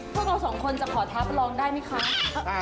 พวกเราสองคนจะขอท้าประลองได้ไหมคะ